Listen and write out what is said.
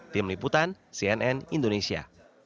tim liputan cnn indonesia